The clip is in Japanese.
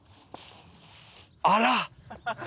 あら！